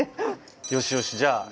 よしよしじゃあ。